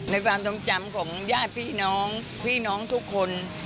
ความทรงจำของญาติพี่น้องพี่น้องทุกคน